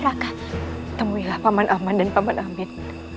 raka temui lah paman aman dan paman amin